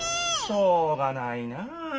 しょうがないなあ。